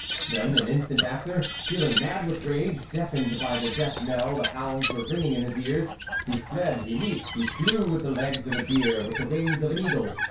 Then, an instant after, feel ing mad with rage, deafened by the death knell the hounds were ringing in his ears, he fled, he leaped, he flew with the legs of a deer, with the wings of an eagle.